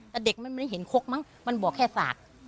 แต่เด็กมันไม่ได้เห็นคกมั้งมันบอกแค่สาก